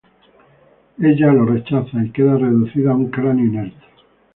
Ella lo rechaza y queda reducida a un cráneo inerte.